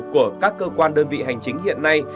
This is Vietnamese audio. của các cơ quan đơn vị hành chính hiện nay